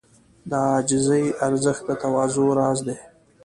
د عاجزۍ ارزښت د تواضع راز دی.